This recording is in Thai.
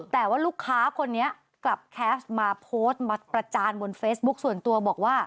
แต่ว่าลูกค้าคนนี้กลับแคสต์มาโพสต์มาประจานบนเฟซบุ๊คส่วนตัวบอกว่า